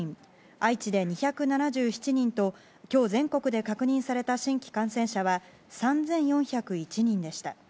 愛知で２７７人と今日全国で確認された新規感染者は３４０１人でした。